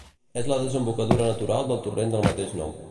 És la desembocadura natural del torrent del mateix nom.